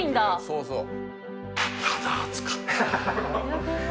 そうそう。